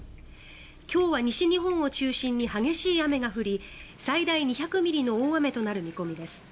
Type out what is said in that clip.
今日は西日本を中心に激しい雨が降り最大２００ミリの大雨となる見込みです。